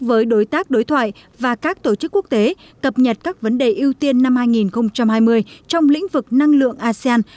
với đối tác đối thoại và các tổ chức quốc tế cập nhật các vấn đề ưu tiên năm hai nghìn hai mươi trong lĩnh vực năng lượng asean